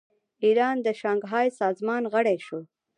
ایران د شانګهای سازمان غړی شو.